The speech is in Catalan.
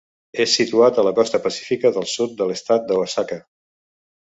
És situat a la costa pacífica del sud de l'estat d'Oaxaca.